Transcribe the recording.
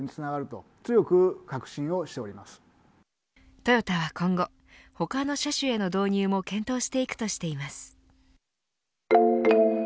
トヨタは今後他の車種への導入も検討していくとしています。